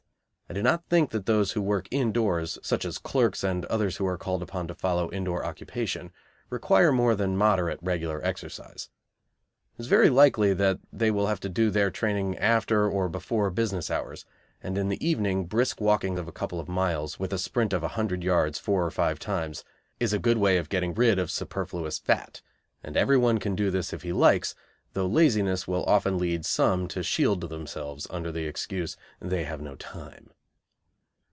I do not think that those who work indoors, such as clerks and others who are called upon to follow indoor occupation, require more than moderate regular exercise. It is very likely that they will have to do their training after or before business hours, and in the evening brisk walking of a couple of miles, with a sprint of 100 yards four or five times, is a good way of getting rid of superfluous fat, and everyone can do this if he likes, though laziness will often lead some to shield themselves under the excuse, "They have no time."